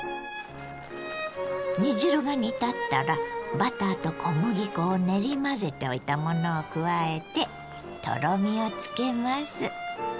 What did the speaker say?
煮汁が煮立ったらバターと小麦粉を練り混ぜておいたものを加えてとろみをつけます。